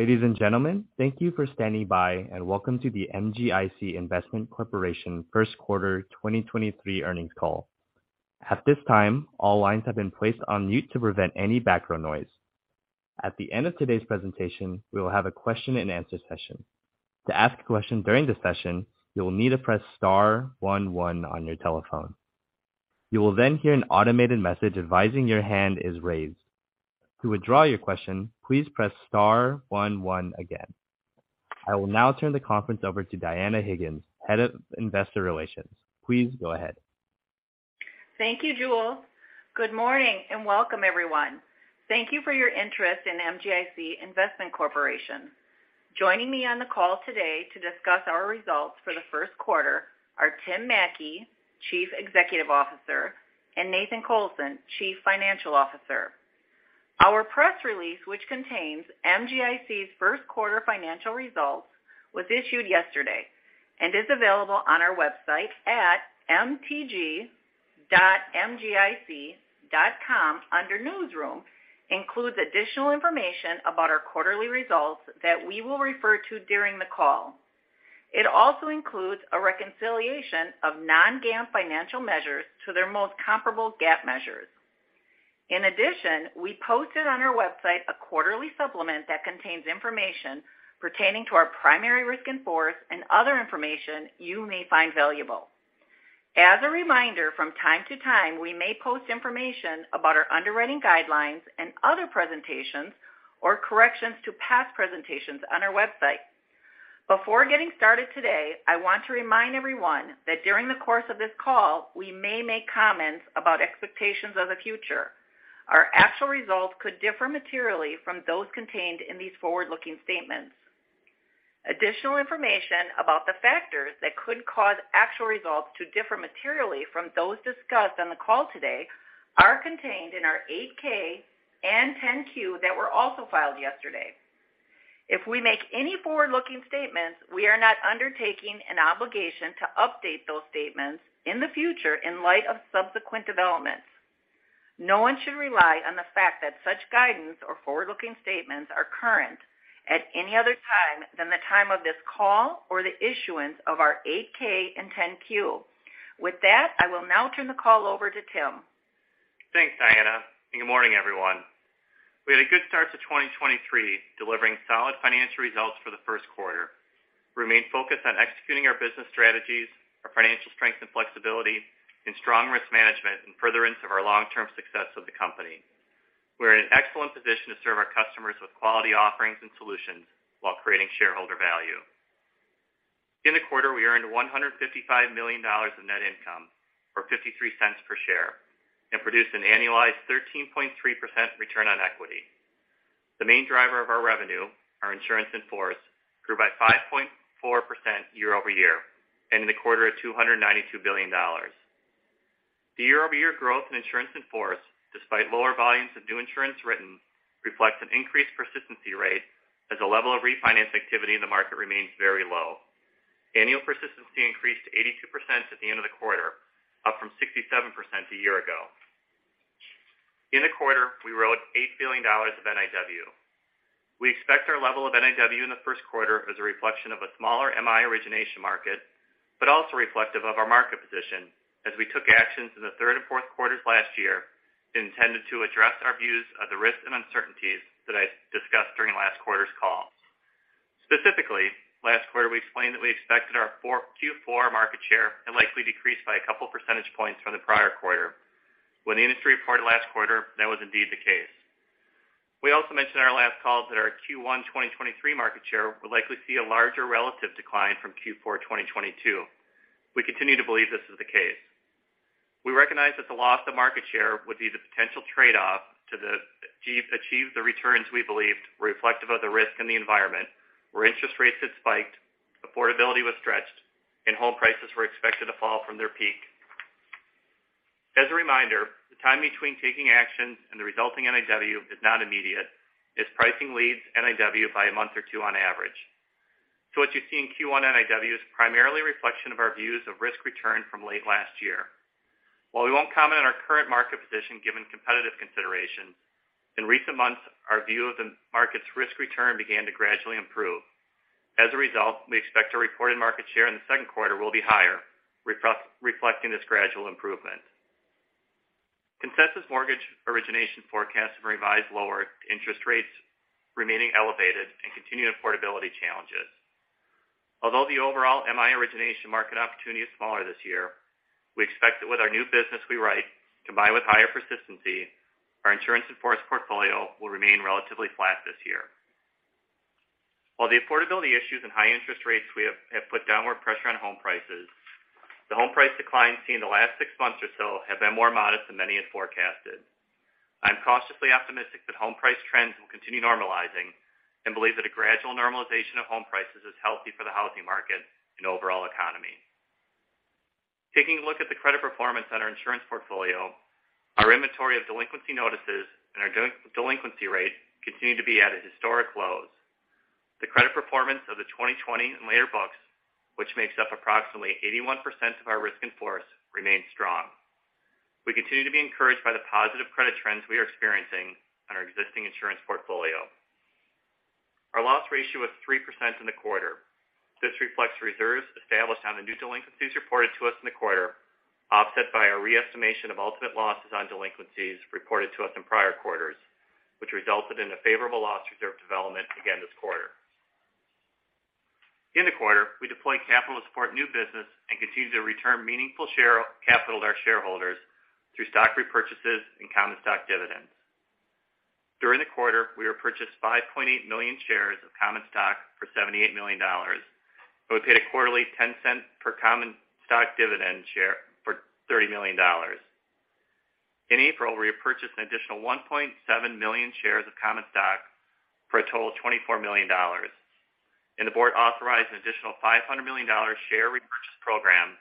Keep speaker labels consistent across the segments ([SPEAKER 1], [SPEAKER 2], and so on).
[SPEAKER 1] Ladies and gentlemen, thank you for standing by, welcome to the MGIC Investment Corporation first quarter 2023 earnings call. At this time, all lines have been placed on mute to prevent any background noise. At the end of today's presentation, we will have a question-and-answer session. To ask a question during this session, you will need to press star one one on your telephone. You will hear an automated message advising your hand is raised. To withdraw your question, please press star one one again. I will now turn the conference over to Dianna Higgins, Head of Investor Relations. Please go ahead.
[SPEAKER 2] Thank you, Jules. Good morning, welcome everyone. Thank you for your interest in MGIC Investment Corporation. Joining me on the call today to discuss our results for the first quarter are Tim Mattke, Chief Executive Officer, and Nathan Colson, Chief Financial Officer. Our press release, which contains MGIC's first quarter financial results, was issued yesterday and is available on our website at mtg.mgic.com under Newsroom, includes additional information about our quarterly results that we will refer to during the call. It also includes a reconciliation of non-GAAP financial measures to their most comparable GAAP measures. In addition, we posted on our website a quarterly supplement that contains information pertaining to our primary risk in force and other information you may find valuable. As a reminder, from time to time, we may post information about our underwriting guidelines and other presentations or corrections to past presentations on our website. Before getting started today, I want to remind everyone that during the course of this call, we may make comments about expectations of the future. Our actual results could differ materially from those contained in these forward-looking statements. Additional information about the factors that could cause actual results to differ materially from those discussed on the call today are contained in our Form 8-K and Form 10-Q that were also filed yesterday. If we make any forward-looking statements, we are not undertaking an obligation to update those statements in the future in light of subsequent developments. No one should rely on the fact that such guidance or forward-looking statements are current at any other time than the time of this call or the issuance of our Form 8-K and Form 10-Q. I will now turn the call over to Tim.
[SPEAKER 3] Thanks, Dianna. Good morning, everyone. We had a good start to 2023, delivering solid financial results for the first quarter. We remain focused on executing our business strategies, our financial strength and flexibility, and strong risk management in furtherance of our long-term success of the company. We're in an excellent position to serve our customers with quality offerings and solutions while creating shareholder value. In the quarter, we earned $155 million of net income, or $0.53 per share, and produced an annualized 13.3% return on equity. The main driver of our revenue, our insurance in force, grew by 5.4% year-over-year, ending the quarter at $292 billion. The year-over-year growth in insurance in force, despite lower volumes of new insurance written, reflects an increased persistency rate as the level of refinance activity in the market remains very low. Annual persistency increased to 82% at the end of the quarter, up from 67% a year ago. In the quarter, we wrote $8 billion of NIW. We expect our level of NIW in the first quarter as a reflection of a smaller MI origination market, but also reflective of our market position as we took actions in the 3rd and 4th quarters last year intended to address our views of the risks and uncertainties that I discussed during last quarter's call. Specifically, last quarter, we explained that we expected our Q4 market share to likely decrease by a couple percentage points from the prior quarter. When the industry reported last quarter, that was indeed the case. We also mentioned in our last call that our Q1 2023 market share would likely see a larger relative decline from Q4 2022. We continue to believe this is the case. We recognize that the loss of market share would be the potential trade-off to achieve the returns we believed were reflective of the risk in the environment where interest rates had spiked, affordability was stretched, and home prices were expected to fall from their peak. As a reminder, the time between taking actions and the resulting NIW is not immediate, as pricing leads NIW by a month or two on average. What you see in Q1 NIW is primarily a reflection of our views of risk return from late last year. We won't comment on our current market position given competitive considerations, in recent months, our view of the market's risk return began to gradually improve. As a result, we expect our reported market share in the second quarter will be higher, reflecting this gradual improvement. Consensus mortgage origination forecasts have revised lower interest rates remaining elevated and continued affordability challenges. The overall MI origination market opportunity is smaller this year, we expect that with our new business we write, combined with higher persistency, our insurance in force portfolio will remain relatively flat this year. The affordability issues and high interest rates have put downward pressure on home prices, the home price declines seen in the last six months or so have been more modest than many had forecasted. I'm cautiously optimistic that home price trends will continue normalizing and believe that a gradual normalization of home prices is healthy for the housing market and overall economy. Taking a look at the credit performance on our insurance portfolio, our inventory of delinquency notices and our delinquency rate continue to be at historic lows. The credit performance of the 2020 and later books, which makes up approximately 81% of our risk in force, remains strong. We continue to be encouraged by the positive credit trends we are experiencing on our existing insurance portfolio. Our loss ratio was 3% in the quarter. This reflects reserves established on the new delinquencies reported to us in the quarter, offset by a re-estimation of ultimate losses on delinquencies reported to us in prior quarters, which resulted in a favorable loss reserve development again this quarter. In the quarter, we deployed capital to support new business and continued to return meaningful share capital to our shareholders through stock repurchases and common stock dividends. During the quarter, we repurchased 5.8 million shares of common stock for $78 million. We paid a quarterly $0.10 per common stock dividend share for $30 million. In April, we repurchased an additional 1.7 million shares of common stock for a total of $24 million. The board authorized an additional $500 million share repurchase program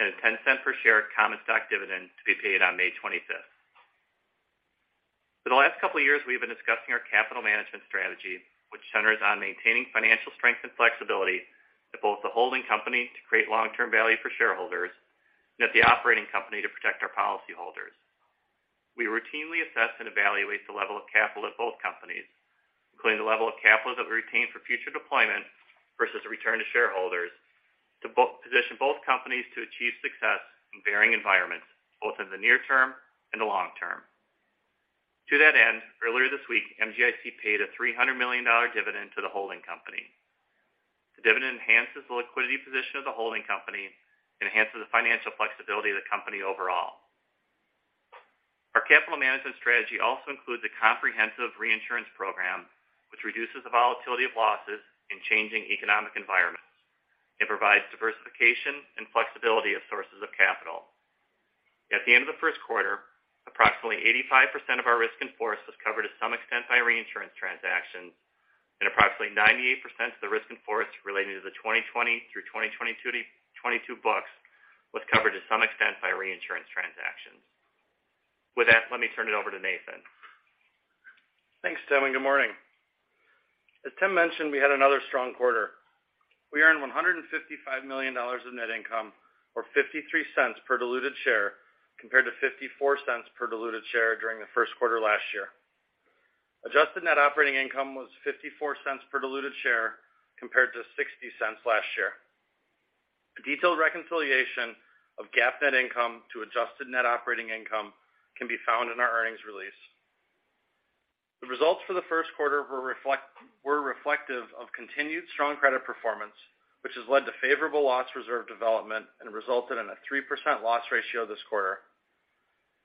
[SPEAKER 3] and a $0.10 per share common stock dividend to be paid on May 25th. For the last couple of years, we have been discussing our capital management strategy, which centers on maintaining financial strength and flexibility at both the holding company to create long-term value for shareholders and at the operating company to protect our policyholders. We routinely assess and evaluate the level of capital at both companies, including the level of capital that we retain for future deployment versus a return to shareholders to both position both companies to achieve success in varying environments, both in the near term and the long term. To that end, earlier this week, MGIC paid a $300 million dividend to the holding company. The dividend enhances the liquidity position of the holding company and enhances the financial flexibility of the company overall. Our capital management strategy also includes a comprehensive reinsurance program, which reduces the volatility of losses in changing economic environments. It provides diversification and flexibility of sources of capital. At the end of the first quarter, approximately 85% of our risk in force was covered at some extent by reinsurance transactions, approximately 98% of the risk in force related to the 2020 through 2022 books was covered at some extent by reinsurance transactions. With that, let me turn it over to Nathan.
[SPEAKER 4] Thanks, Tim. Good morning. As Tim mentioned, we had another strong quarter. We earned $155 million in net income or $0.53 per diluted share compared to $0.54 per diluted share during the first quarter last year. Adjusted net operating income was $0.54 per diluted share compared to $0.60 last year. A detailed reconciliation of GAAP net income to adjusted net operating income can be found in our earnings release. The results for the first quarter were reflective of continued strong credit performance, which has led to favorable loss reserve development and resulted in a 3% loss ratio this quarter.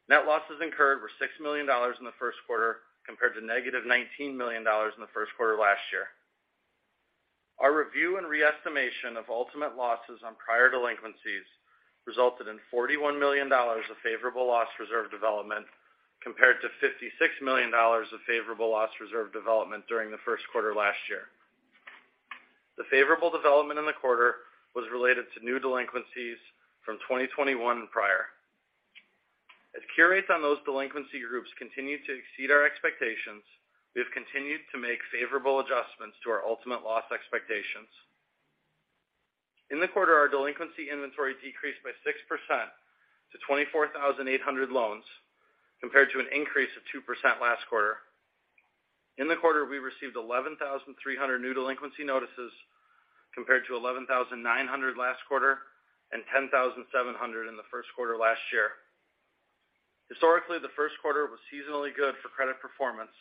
[SPEAKER 4] Net losses incurred were $6 million in the first quarter compared to negative $19 million in the first quarter last year. Our review and re-estimation of ultimate losses on prior delinquencies resulted in $41 million of favorable loss reserve development compared to $56 million of favorable loss reserve development during the first quarter last year. The favorable development in the quarter was related to new delinquencies from 2021 prior. As cure rates on those delinquency groups continue to exceed our expectations, we have continued to make favorable adjustments to our ultimate loss expectations. In the quarter, our delinquency inventory decreased by 6% to 24,800 loans compared to an increase of 2% last quarter. In the quarter, we received 11,300 new delinquency notices compared to 11,900 last quarter and 10,700 in the first quarter last year. Historically, the first quarter was seasonally good for credit performance,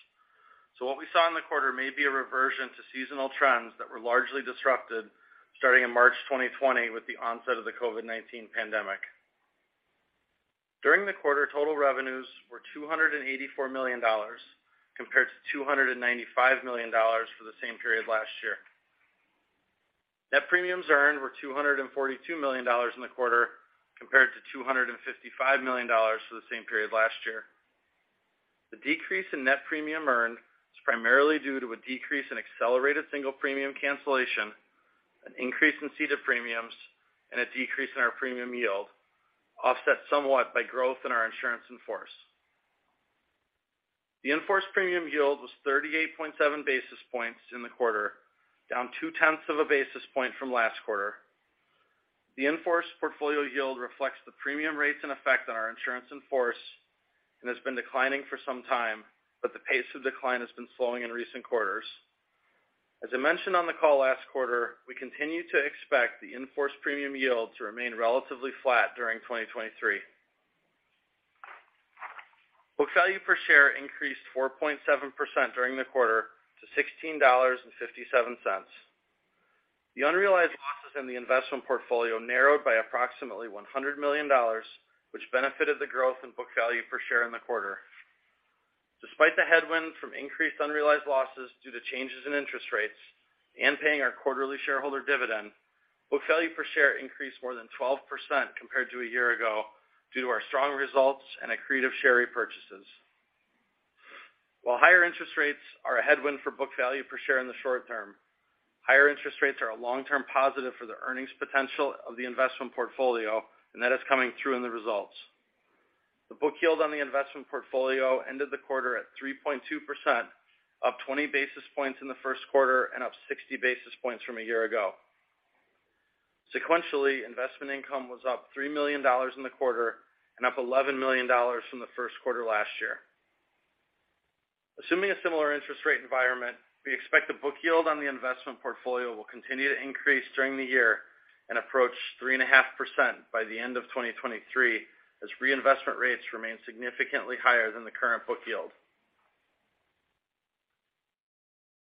[SPEAKER 4] what we saw in the quarter may be a reversion to seasonal trends that were largely disrupted starting in March 2020 with the onset of the COVID-19 pandemic. During the quarter, total revenues were $284 million compared to $295 million for the same period last year. Net premiums earned were $242 million in the quarter compared to $255 million for the same period last year. The decrease in net premium earned is primarily due to a decrease in accelerated single premium cancellation, an increase in ceded premiums, and a decrease in our premium yield, offset somewhat by growth in our insurance in force. The in-force premium yield was 38.7 basis points in the quarter, down 0.2 basis points from last quarter. The in-force portfolio yield reflects the premium rates in effect on our insurance in force and has been declining for some time, but the pace of decline has been slowing in recent quarters. As I mentioned on the call last quarter, we continue to expect the in-force premium yield to remain relatively flat during 2023. Book value per share increased 4.7% during the quarter to $16.57. The unrealized losses in the investment portfolio narrowed by approximately $100 million, which benefited the growth in book value per share in the quarter. Despite the headwinds from increased unrealized losses due to changes in interest rates and paying our quarterly shareholder dividend, book value per share increased more than 12% compared to a year ago due to our strong results and accretive share repurchases. While higher interest rates are a headwind for book value per share in the short term, higher interest rates are a long-term positive for the earnings potential of the investment portfolio, and that is coming through in the results. The book yield on the investment portfolio ended the quarter at 3.2%, up 20 basis points in the first quarter and up 60 basis points from a year ago. Sequentially, investment income was up $3 million in the quarter and up $11 million from the first quarter last year. Assuming a similar interest rate environment, we expect the book yield on the investment portfolio will continue to increase during the year and approach 3.5% by the end of 2023, as reinvestment rates remain significantly higher than the current book yield.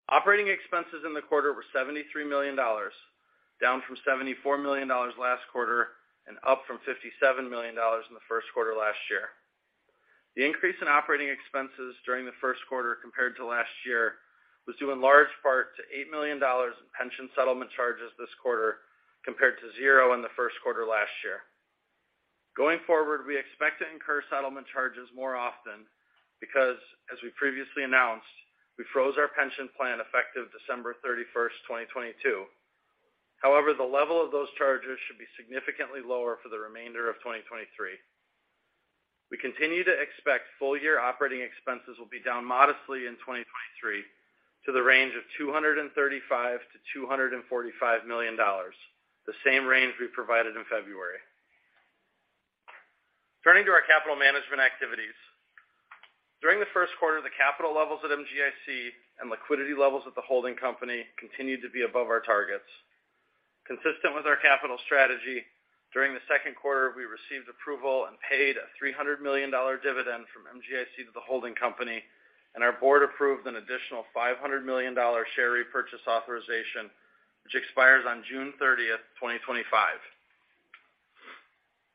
[SPEAKER 4] Operating expenses in the quarter were $73 million, down from $74 million last quarter and up from $57 million in the first quarter last year. The increase in operating expenses during the first quarter compared to last year was due in large part to $8 million in pension settlement charges this quarter compared to 0 in the first quarter last year. Going forward, we expect to incur settlement charges more often because, as we previously announced, we froze our pension plan effective December 31, 2022. However, the level of those charges should be significantly lower for the remainder of 2023. We continue to expect full year operating expenses will be down modestly in 2023 to the range of $235 million-$245 million, the same range we provided in February. Turning to our capital management activities. During the first quarter, the capital levels at MGIC and liquidity levels at the holding company continued to be above our targets. Consistent with our capital strategy, during the second quarter, we received approval and paid a $300 million dividend from MGIC to the holding company, and our board approved an additional $500 million share repurchase authorization, which expires on June 30th, 2025.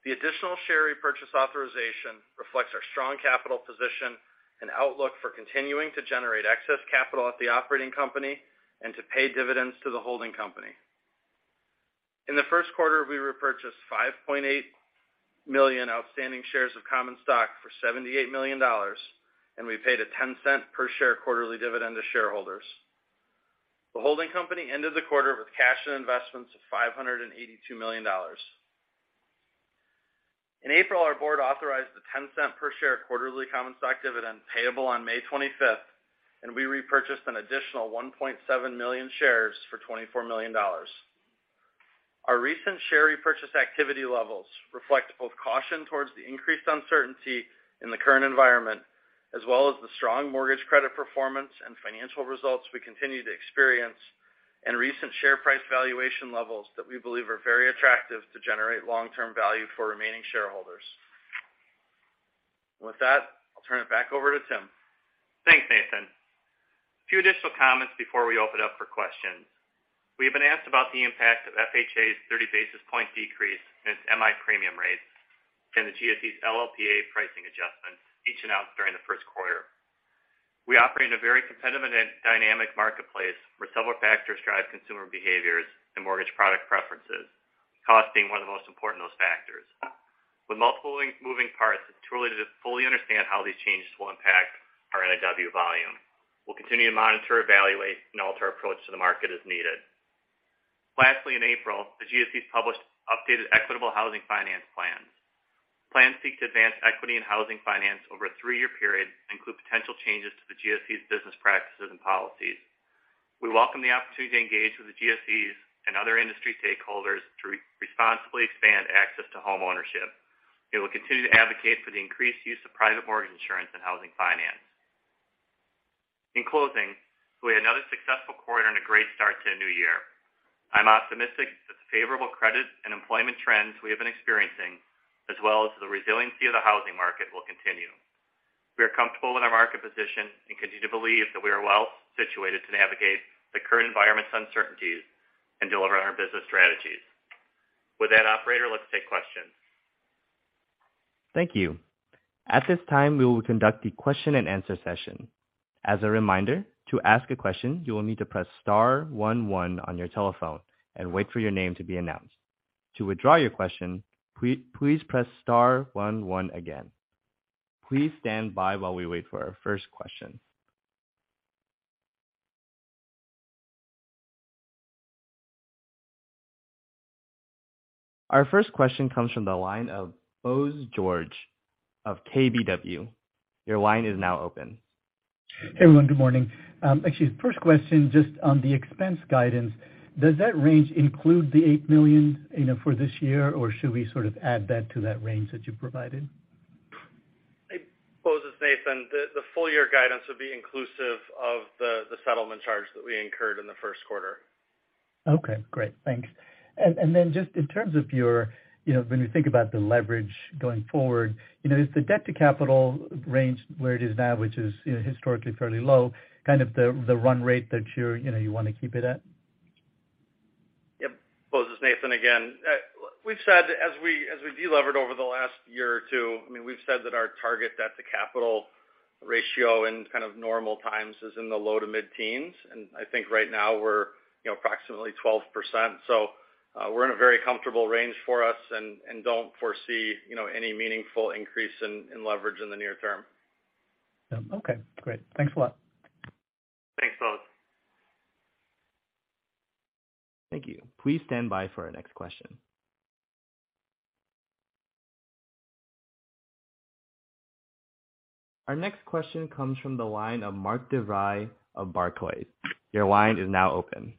[SPEAKER 4] The additional share repurchase authorization reflects our strong capital position and outlook for continuing to generate excess capital at the operating company and to pay dividends to the holding company. In the first quarter, we repurchased 5.8 million outstanding shares of common stock for $78 million, we paid a $0.10 per share quarterly dividend to shareholders. The holding company ended the quarter with cash and investments of $582 million. In April, our board authorized a $0.10 per share quarterly common stock dividend payable on May 25th, we repurchased an additional 1.7 million shares for $24 million. Our recent share repurchase activity levels reflect both caution towards the increased uncertainty in the current environment as well as the strong mortgage credit performance and financial results we continue to experience, and recent share price valuation levels that we believe are very attractive to generate long-term value for remaining shareholders. With that, I'll turn it back over to Tim.
[SPEAKER 3] Thanks, Nathan. A few additional comments before we open up for questions. We have been asked about the impact of FHA's 30 basis point decrease in its MI premium rates and the GSEs' LLPA pricing adjustments, each announced during the first quarter. We operate in a very competitive and dynamic marketplace where several factors drive consumer behaviors and mortgage product preferences, cost being one of the most important of those factors. With multiple moving parts, it's truly to fully understand how these changes will impact our NIW volume. We'll continue to monitor, evaluate, and alter our approach to the market as needed. Lastly, in April, the GSEs published updated Equitable Housing Finance Plans. Plans seek to advance equity in housing finance over a 3-year period and include potential changes to the GSEs' business practices and policies. We welcome the opportunity to engage with the GSEs and other industry stakeholders to responsibly expand access to homeownership, and we'll continue to advocate for the increased use of private mortgage insurance and housing finance. In closing, we had another successful quarter and a great start to a new year. I'm optimistic that the favorable credit and employment trends we have been experiencing, as well as the resiliency of the housing market, will continue. We are comfortable in our market position and continue to believe that we are well situated to navigate the current environment's uncertainties and deliver on our business strategies. With that, operator, let's take questions.
[SPEAKER 1] Thank you. At this time, we will conduct the question-and-answer session. As a reminder, to ask a question, you will need to press star 11 on your telephone and wait for your name to be announced. To withdraw your question, please press star 11 again. Please stand by while we wait for our first question. Our first question comes from the line of Bose George of KBW. Your line is now open.
[SPEAKER 5] Hey, everyone. Good morning. actually, the first question, just on the expense guidance, does that range include the $8 million, you know, for this year, or should we sort of add that to that range that you provided?
[SPEAKER 4] Hey, Bose. It's Nathan. The full year guidance would be inclusive of the settlement charge that we incurred in the first quarter.
[SPEAKER 5] Okay, great. Thanks. Then just in terms of your, you know, when you think about the leverage going forward, you know, is the debt-to-capital range where it is now, which is, you know, historically fairly low, kind of the run rate that you're, you know, you wanna keep it at?
[SPEAKER 4] Yep. Bose, it's Nathan again. We've said as we de-levered over the last year or two, I mean, we've said that our target debt-to-capital ratio in kind of normal times is in the low to mid-teens. I think right now we're, you know, approximately 12%. We're in a very comfortable range for us and don't foresee, you know, any meaningful increase in leverage in the near term.
[SPEAKER 5] Yeah. Okay, great. Thanks a lot.
[SPEAKER 4] Thanks, Bose.
[SPEAKER 1] Thank you. Please stand by for our next question. Our next question comes from the line of Mark DeVries of Barclays. Your line is now open.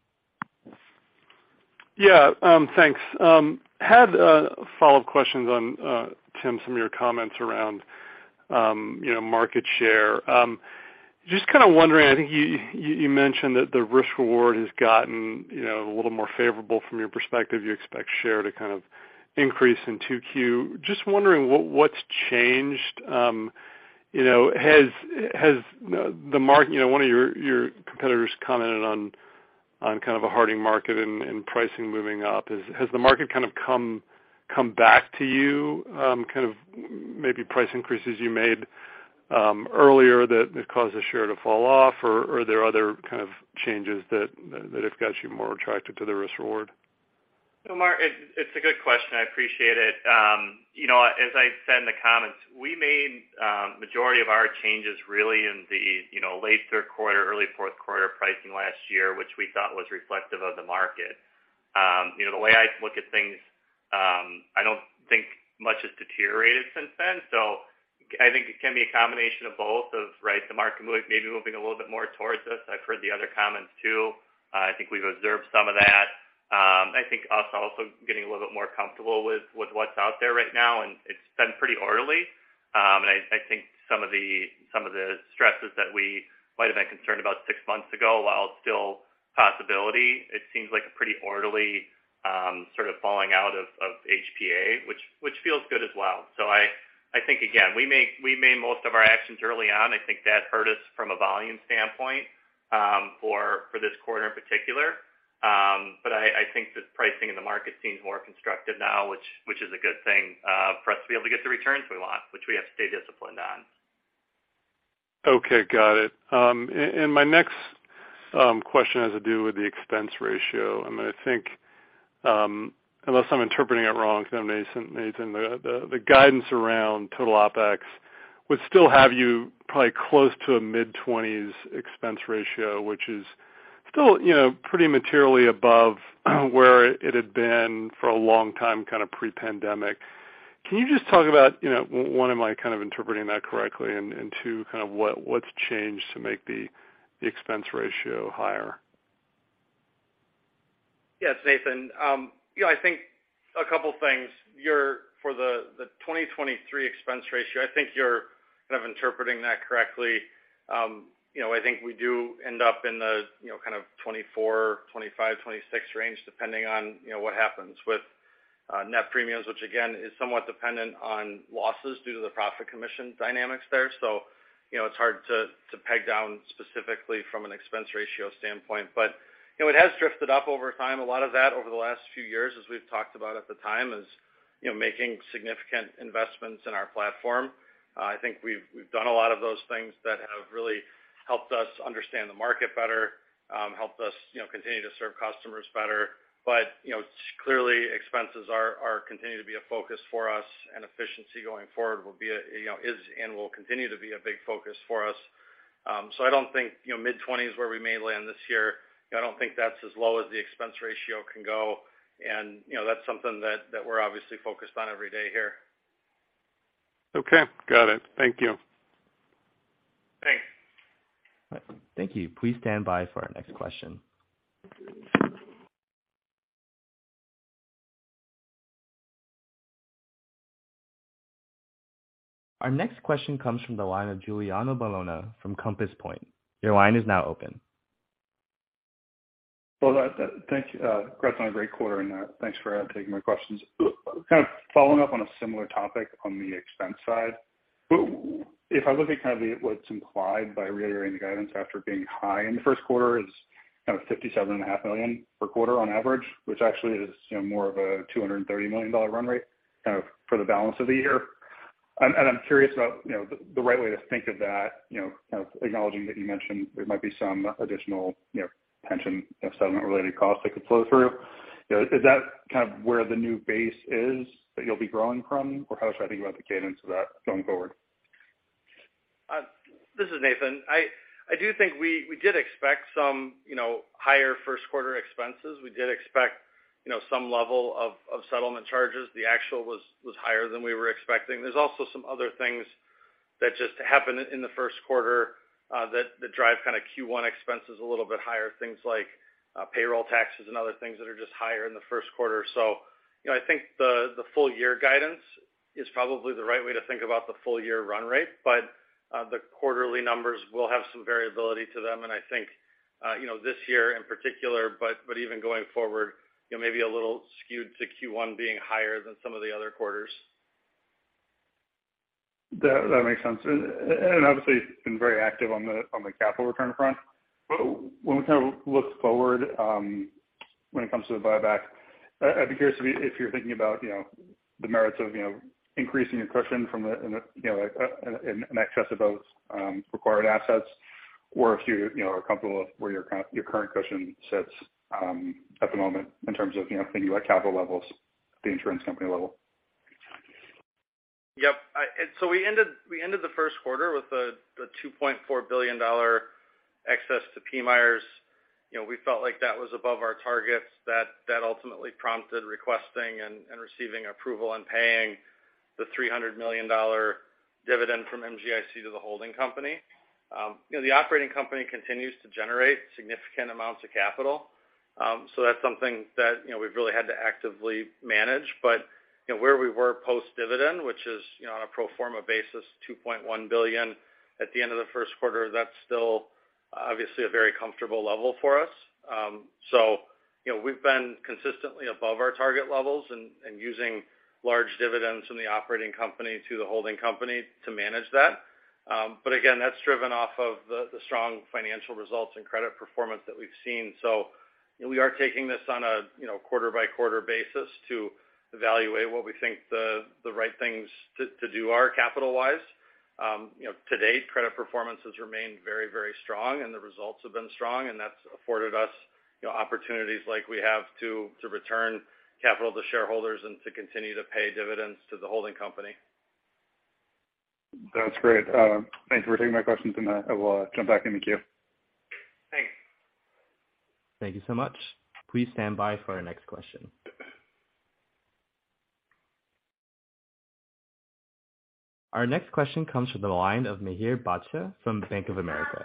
[SPEAKER 6] Yeah, thanks. Had follow-up questions on Tim, some of your comments around, you know, market share. Just kind of wondering, I think you mentioned that the risk/reward has gotten, you know, a little more favorable from your perspective. You expect share to kind of increase in 2Q. Just wondering what's changed. You know, has the market, you know, one of your competitors commented on kind of a hardening market and pricing moving up? Has the market kind of come back to you, kind of maybe price increases you made earlier that caused the share to fall off? Are there other kind of changes that have got you more attracted to the risk/reward?
[SPEAKER 3] Mark, it's a good question, I appreciate it. You know, as I said in the comments, we made, majority of our changes really in the, you know, late third quarter, early fourth quarter pricing last year, which we thought was reflective of the market. You know, the way I look at things, I don't think much has deteriorated since then. I think it can be a combination of both of, right, the market move, maybe moving a little bit more towards us. I've heard the other comments too. I think we've observed some of that. I think us also getting a little bit more comfortable with what's out there right now, and it's been pretty orderly. I think some of the, some of the stresses that we might have been concerned about six months ago, while still possibility, it seems like a pretty orderly sort of falling out of HPA, which feels good as well. I think, again, we made most of our actions early on. I think that hurt us from a volume standpoint for this quarter in particular. I think the pricing in the market seems more constructive now, which is a good thing for us to be able to get the returns we want, which we have to stay disciplined on.
[SPEAKER 6] Okay, got it. My next question has to do with the expense ratio. I mean, I think, unless I'm interpreting it wrong, Nathan, the guidance around total OpEx would still have you probably close to a mid-20s expense ratio, which is still, you know, pretty materially above where it had been for a long time, kind of pre-pandemic. Can you just talk about, you know, 1, am I kind of interpreting that correctly? 2, kind of what's changed to make the expense ratio higher?
[SPEAKER 4] Yes, Nathan. You know, I think a couple things. For the 2023 expense ratio, I think you're kind of interpreting that correctly. You know, I think we do end up in the, you know, kind of 24%-25%-26% range, depending on, you know, what happens with net premiums, which again, is somewhat dependent on losses due to the profit commission dynamics there. You know, it's hard to peg down specifically from an expense ratio standpoint. You know, it has drifted up over time. A lot of that over the last few years, as we've talked about at the time, is, you know, making significant investments in our platform. I think we've done a lot of those things that have really helped us understand the market better, helped us, you know, continue to serve customers better. You know, clearly expenses are continuing to be a focus for us, and efficiency going forward will be a, you know, is and will continue to be a big focus for us. I don't think, you know, mid-20s% where we may land this year, you know, I don't think that's as low as the expense ratio can go. You know, that's something that we're obviously focused on every day here.
[SPEAKER 6] Okay, got it. Thank you.
[SPEAKER 4] Thanks.
[SPEAKER 1] Thank you. Please stand by for our next question. Our next question comes from the line of Giuliano Bologna from Compass Point. Your line is now open.
[SPEAKER 7] Thank you, congrats on a great quarter, and thanks for taking my questions. Kind of following up on a similar topic on the expense side. If I look at kind of the what's implied by reiterating the guidance after being high in the first quarter is kind of $57.5 million per quarter on average, which actually is, you know, more of a $230 million run rate kind of for the balance of the year. I'm curious about, you know, the right way to think of that, you know, kind of acknowledging that you mentioned there might be some additional, you know, pension settlement-related costs that could flow through. You know, is that kind of where the new base is that you'll be growing from? Or how should I think about the cadence of that going forward?
[SPEAKER 4] This is Nathan. I do think we did expect some, you know, higher first quarter expenses. We did expect, you know, some level of settlement charges. The actual was higher than we were expecting. There's also some other things that just happened in the first quarter that drive kind of Q1 expenses a little bit higher. Things like payroll taxes and other things that are just higher in the first quarter. You know, I think the full year guidance is probably the right way to think about the full year run rate. The quarterly numbers will have some variability to them. I think, you know, this year in particular, but even going forward, you know, maybe a little skewed to Q1 being higher than some of the other quarters.
[SPEAKER 7] That makes sense. And obviously, it's been very active on the capital return front. When we kind of look forward, when it comes to the buyback, I'd be curious if you're thinking about, you know, the merits of, you know, increasing your cushion from the, you know, in excess of those, required assets, or if you know, are comfortable with where your current cushion sits, at the moment in terms of, you know, thinking about capital levels at the insurance company level.
[SPEAKER 4] Yep. We ended the first quarter with the $2.4 billion excess to PMIERs. You know, we felt like that was above our targets that ultimately prompted requesting and receiving approval and paying the $300 million dividend from MGIC to the holding company. You know, the operating company continues to generate significant amounts of capital. That's something that, you know, we've really had to actively manage. You know, where we were post-dividend, which is, you know, on a pro forma basis, $2.1 billion at the end of the first quarter, that's still obviously a very comfortable level for us. You know, we've been consistently above our target levels and using large dividends from the operating company to the holding company to manage that. Again, that's driven off of the strong financial results and credit performance that we've seen. You know, we are taking this on a, you know, quarter by quarter basis to evaluate what we think the right things to do are capital-wise. You know, to date, credit performance has remained very strong, and the results have been strong, and that's afforded us, you know, opportunities like we have to return capital to shareholders and to continue to pay dividends to the holding company.
[SPEAKER 7] That's great. Thank you for taking my questions. I will jump back in the queue.
[SPEAKER 4] Thanks.
[SPEAKER 1] Thank you so much. Please stand by for our next question. Our next question comes from the line of Mihir Bhatia from Bank of America.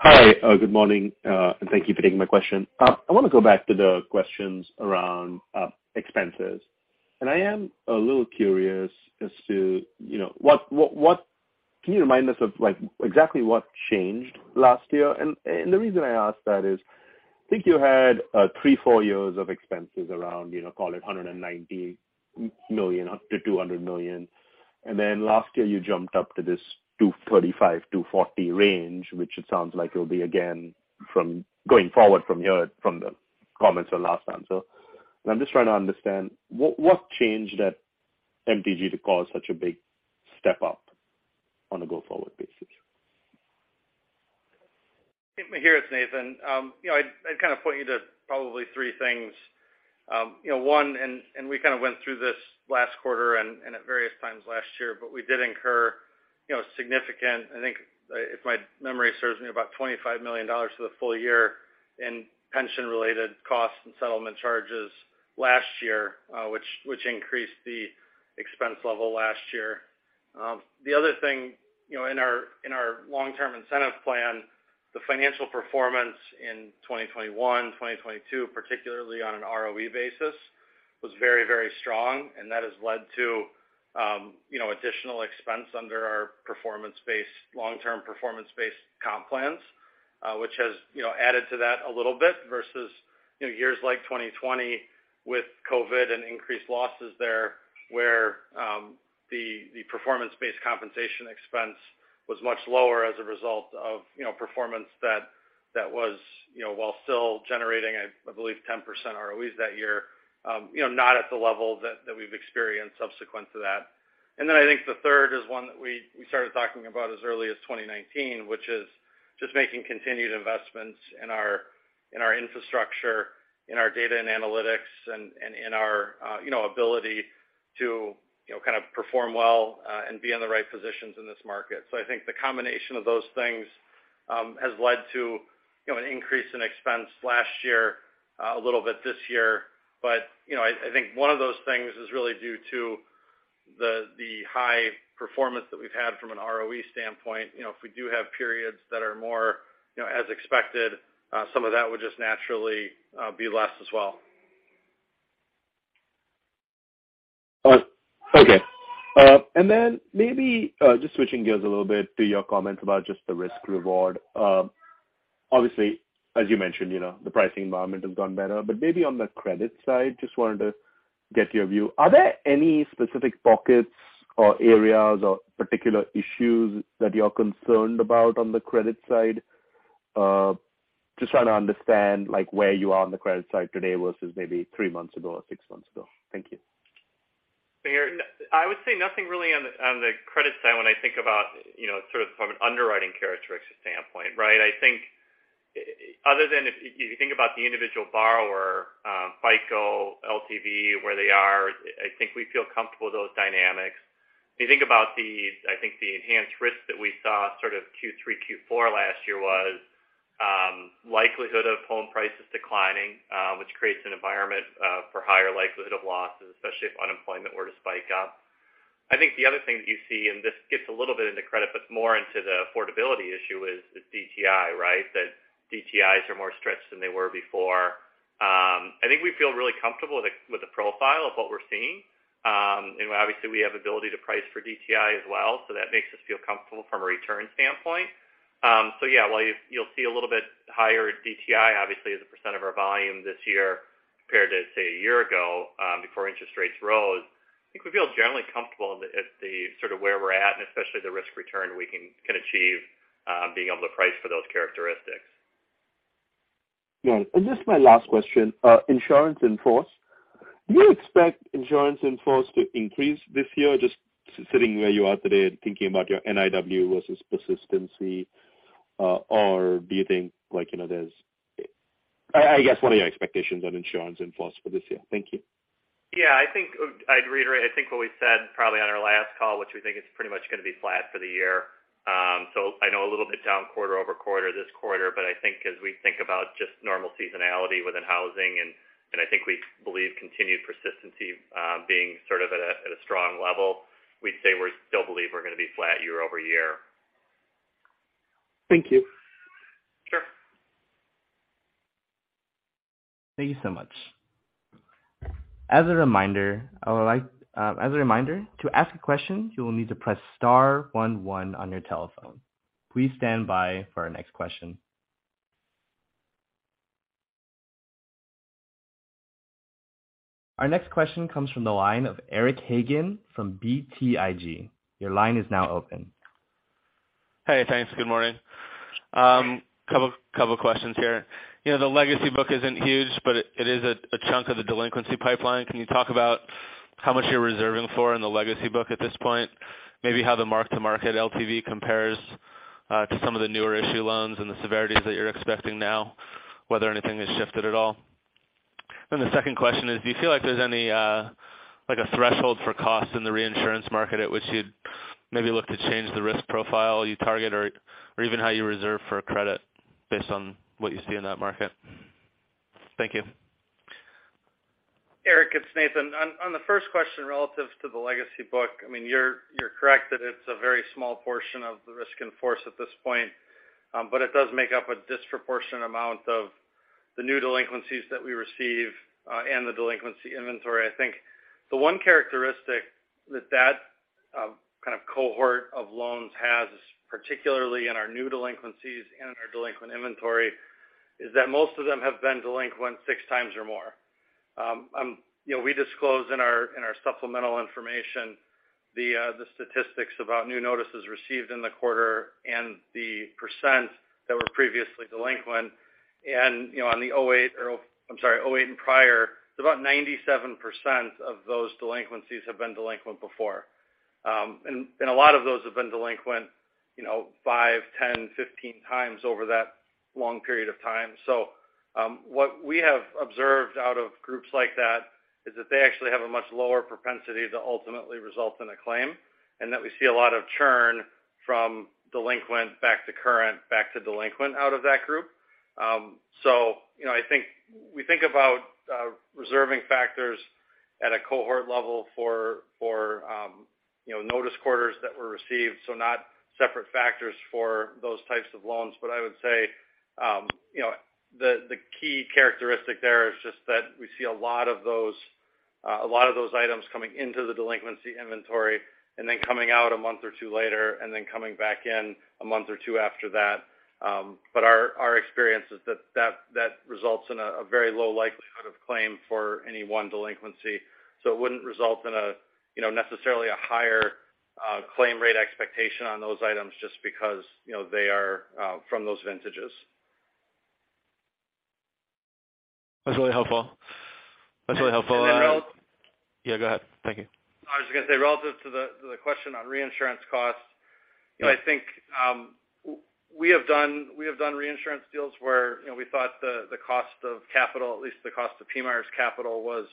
[SPEAKER 8] Hi. Good morning. And thank you for taking my question. I wanna go back to the questions around expenses. I am a little curious as to, you know, what... Can you remind us of, like, exactly what changed last year? The reason I ask that is, I think you had three, four years of expenses around, you know, call it $190 million up to $200 million. Then last year, you jumped up to this $235-$240 range, which it sounds like it'll be again from going forward from here from the comments from last time. I'm just trying to understand what changed at MTG to cause such a big step up on a go-forward basis?
[SPEAKER 4] Mihir Bhatia, it's Nathan Colson. you know, I'd kind of point you to probably 3 things. you know, one, and we kind of went through this last quarter and at various times last year, but we did incur, you know, significant, I think if my memory serves me, about $25 million for the full year in pension-related costs and settlement charges last year, which increased the expense level last year. The other thing, you know, in our, in our long-term incentive plan, the financial performance in 2021, 2022, particularly on an ROE basis, was very, very strong, and that has led to, you know, additional expense under our long-term performance-based comp plans, which has, you know, added to that a little bit versus, you know, years like 2020 with COVID and increased losses there, where, the performance-based compensation expense was much lower as a result of, you know, performance that was, you know, while still generating, I believe 10% ROEs that year, you know, not at the level that we've experienced subsequent to that. I think the third is one that we started talking about as early as 2019, which is just making continued investments in our, in our infrastructure, in our data and analytics, and in our, you know, ability to, you know, kind of perform well, and be in the right positions in this market. I think the combination of those things has led to, you know, an increase in expense last year, a little bit this year. You know, I think one of those things is really due to the high performance that we've had from an ROE standpoint. You know, if we do have periods that are more, you know, as expected, some of that would just naturally be less as well.
[SPEAKER 8] Okay. Just switching gears a little bit to your comments about just the risk reward. Obviously, as you mentioned, you know, the pricing environment has gotten better, on the credit side, just wanted to get your view. Are there any specific pockets or areas or particular issues that you're concerned about on the credit side? Just trying to understand, like, where you are on the credit side today versus 3 months ago or 6 months ago. Thank you.
[SPEAKER 4] I would say nothing really on the credit side when I think about, you know, sort of from an underwriting characteristic standpoint, right? I think other than if you think about the individual borrower, FICO, LTV, where they are, I think we feel comfortable with those dynamics. If you think about the, I think the enhanced risk that we saw sort of Q3, Q4 last year was likelihood of home prices declining, which creates an environment for higher likelihood of losses, especially if unemployment were to spike up. I think the other thing that you see, and this gets a little bit into credit, but more into the affordability issue, is the DTI, right? That DTIs are more stretched than they were before. I think we feel really comfortable with the, with the profile of what we're seeing. Obviously, we have ability to price for DTI as well, that makes us feel comfortable from a return standpoint. Yeah, while you'll see a little bit higher DTI, obviously, as a % of our volume this year compared to, say, a year ago, before interest rates rose, I think we feel generally comfortable at the sort of where we're at and especially the risk-return we can achieve, being able to price for those characteristics.
[SPEAKER 8] Yeah. Just my last question. insurance in force. Do you expect insurance in force to increase this year, just sitting where you are today and thinking about your NIW versus persistency? or do you think, like, you know, there's... I guess what are your expectations on insurance in force for this year? Thank you.
[SPEAKER 4] Yeah, I think, I'd reiterate I think what we said probably on our last call, which we think it's pretty much gonna be flat for the year. I know a little bit down quarter-over-quarter this quarter, but I think as we think about just normal seasonality within housing, and I think we believe continued persistency, being sort of at a strong level, we'd say we still believe we're gonna be flat year-over-year.
[SPEAKER 8] Thank you.
[SPEAKER 4] Sure.
[SPEAKER 1] Thank you so much. As a reminder, to ask a question, you will need to press star one one on your telephone. Please stand by for our next question. Our next question comes from the line of Eric Hagen from BTIG. Your line is now open.
[SPEAKER 9] Hey, thanks. Good morning. Couple questions here. You know, the legacy book isn't huge, but it is a chunk of the delinquency pipeline. Can you talk about how much you're reserving for in the legacy book at this point? Maybe how the Mark-to-Market LTV compares to some of the newer issue loans and the severities that you're expecting now, whether anything has shifted at all. The second question is, do you feel like there's any like a threshold for cost in the reinsurance market at which you'd maybe look to change the risk profile you target or even how you reserve for a credit based on what you see in that market? Thank you.
[SPEAKER 4] Eric, it's Nathan. On the first question relative to the legacy book, I mean, you're correct that it's a very small portion of the risk in force at this point. It does make up a disproportionate amount of the new delinquencies that we receive and the delinquency inventory. I think the one characteristic that kind of cohort of loans has, particularly in our new delinquencies and in our delinquent inventory, is that most of them have been delinquent six times or more. You know, we disclose in our, in our supplemental information the statistics about new notices received in the quarter and the percent that were previously delinquent. You know, on the '08 or... I'm sorry, '08 and prior, it's about 97% of those delinquencies have been delinquent before. A lot of those have been delinquent, you know, 5, 10, 15 times over that long period of time. What we have observed out of groups like that is that they actually have a much lower propensity to ultimately result in a claim, and that we see a lot of churn from delinquent back to current, back to delinquent out of that group. You know, I think we think about reserving factors at a cohort level for, you know, notice quarters that were received, so not separate factors for those types of loans. I would say, you know, the key characteristic there is just that we see a lot of those, a lot of those items coming into the delinquency inventory and then coming out a month or two later, and then coming back in a month or two after that. Our experience is that results in a very low likelihood of claim for any one delinquency. It wouldn't result in a, you know, necessarily a higher, claim rate expectation on those items just because, you know, they are, from those vintages.
[SPEAKER 9] That's really helpful. Go ahead. Thank you.
[SPEAKER 4] I was just gonna say, relative to the question on reinsurance costs.
[SPEAKER 9] Yeah.
[SPEAKER 4] You know, I think we have done reinsurance deals where, you know, we thought the cost of capital, at least the cost of PMIERs capital was,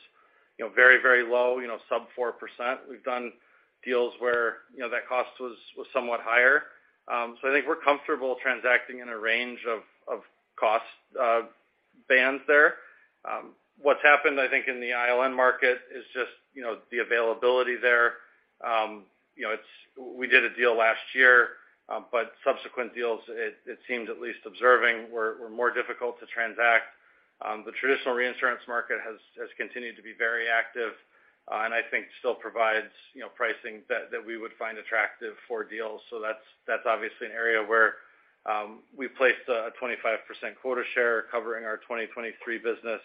[SPEAKER 4] you know, very, very low, you know, sub 4%. We've done deals where, you know, that cost was somewhat higher. I think we're comfortable transacting in a range of cost bands there. What's happened, I think, in the ILN market is just, you know, the availability there. You know, it's We did a deal last year, subsequent deals, it seems at least observing were more difficult to transact. The traditional reinsurance market has continued to be very active, I think still provides, you know, pricing that we would find attractive for deals. That's, that's obviously an area where we've placed a 25% quota share covering our 2023 business,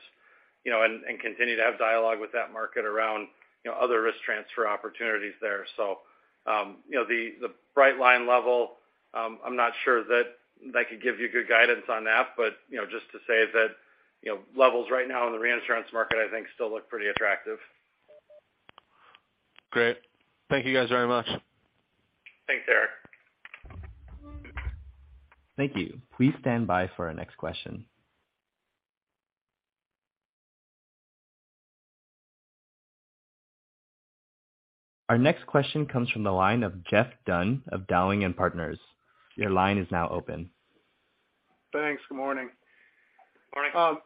[SPEAKER 4] you know, and continue to have dialogue with that market around, you know, other risk transfer opportunities there. You know, the bright line level, I'm not sure that I could give you good guidance on that. You know, just to say that, you know, levels right now in the reinsurance market I think still look pretty attractive.
[SPEAKER 9] Great. Thank you guys very much.
[SPEAKER 4] Thanks, Eric.
[SPEAKER 1] Thank you. Please stand by for our next question. Our next question comes from the line of Geoff Dunn of Dowling & Partners. Your line is now open.
[SPEAKER 10] Thanks. Good morning.
[SPEAKER 3] Morning.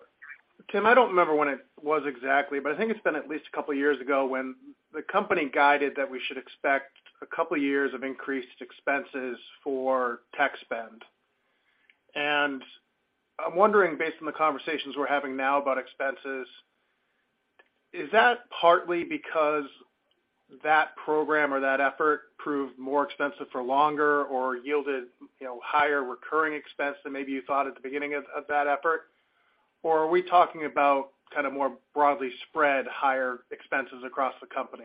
[SPEAKER 10] Tim, I don't remember when it was exactly, but I think it's been at least a couple years ago when the company guided that we should expect a couple years of increased expenses for tech spend. I'm wondering, based on the conversations we're having now about expenses, is that partly because that program or that effort proved more expensive for longer or yielded, you know, higher recurring expense than maybe you thought at the beginning of that effort? Are we talking about kind of more broadly spread higher expenses across the company?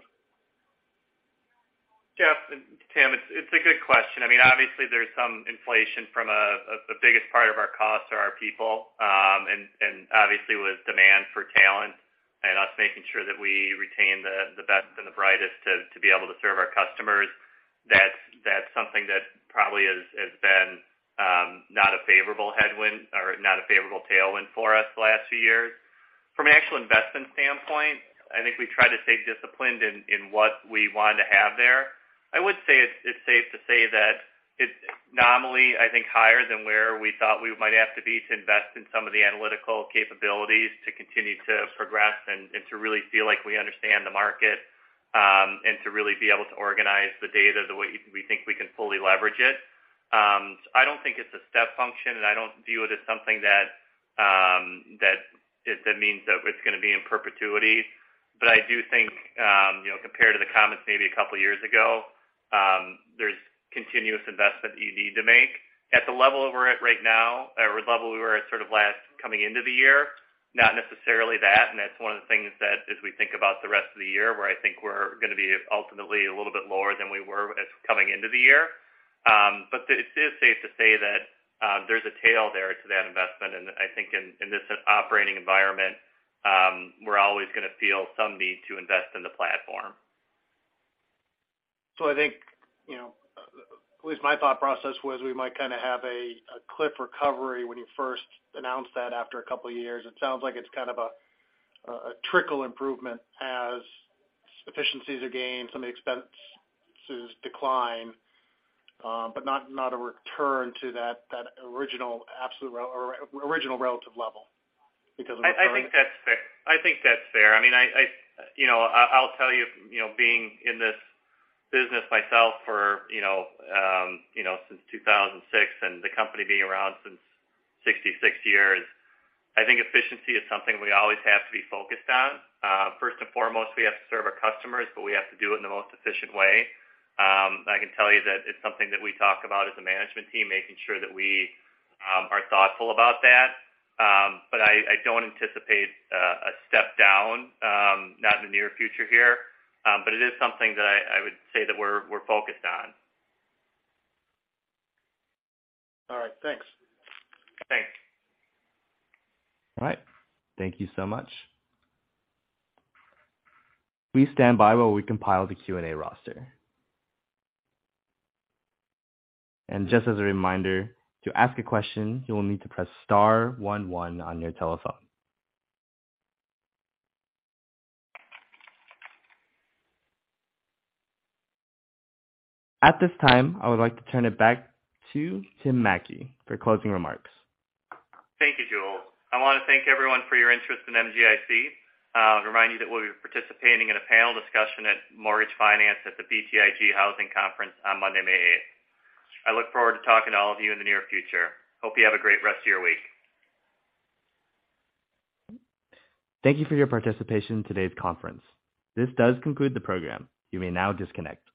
[SPEAKER 3] Geoff, Tim, it's a good question. I mean, obviously there's some inflation from a. The biggest part of our costs are our people. Obviously with demand for talent and us making sure that we retain the best and the brightest to be able to serve our customers. Probably has been not a favorable headwind or not a favorable tailwind for us the last few years. From an actual investment standpoint, I think we try to stay disciplined in what we want to have there. I would say it's safe to say that it's nominally, I think, higher than where we thought we might have to be to invest in some of the analytical capabilities to continue to progress and to really feel like we understand the market and to really be able to organize the data the way we think we can fully leverage it. I don't think it's a step function, and I don't view it as something that it means that it's gonna be in perpetuity. I do think, you know, compared to the comments maybe 2 years ago, there's continuous investment that you need to make. At the level we're at right now or level we were at sort of last coming into the year, not necessarily that, and that's one of the things that as we think about the rest of the year, where I think we're gonna be ultimately a little bit lower than we were as coming into the year. It is safe to say that there's a tail there to that investment. I think in this operating environment, we're always gonna feel some need to invest in the platform.
[SPEAKER 10] I think, you know, at least my thought process was we might kinda have a cliff recovery when you first announced that after a couple years. It sounds like it's kind of a trickle improvement as efficiencies are gained, some of the expenses decline, but not a return to that original absolute or original relative level because of.
[SPEAKER 3] I think that's fair. I think that's fair. I mean, I, you know, I'll tell you, being in this business myself for, since 2006, and the company being around since 66 years, I think efficiency is something we always have to be focused on. First and foremost, we have to serve our customers, but we have to do it in the most efficient way. I can tell you that it's something that we talk about as a management team, making sure that we are thoughtful about that. I don't anticipate a step down, not in the near future here. It is something that I would say that we're focused on.
[SPEAKER 10] All right. Thanks.
[SPEAKER 3] Thanks.
[SPEAKER 1] All right. Thank you so much. Please stand by while we compile the Q&A roster. Just as a reminder, to ask a question, you will need to press star one one on your telephone. At this time, I would like to turn it back to Tim Mattke for closing remarks.
[SPEAKER 3] Thank you, Jules. I wanna thank everyone for your interest in MGIC. Remind you that we'll be participating in a panel discussion at Mortgage Finance at the BTIG Housing Conference on Monday, May 8. I look forward to talking to all of you in the near future. Hope you have a great rest of your week.
[SPEAKER 1] Thank you for your participation in today's conference. This does conclude the program. You may now disconnect.